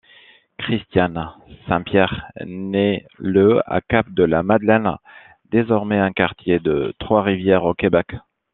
Christiane Saint-Pierre naît le à Cap-de-la-Madeleine, désormais un quartier de Trois-Rivières, au Québec.